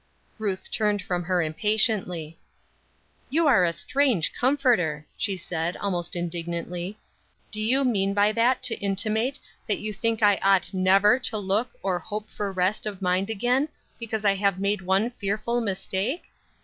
'" Ruth turned from her impatiently. "You are a strange comforter," she said, almost indignantly. "Do you mean by that to intimate that you think I ought never to look or hope for rest of mind again because I have made one fearful mistake?